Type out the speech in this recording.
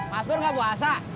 mas ber gak puasa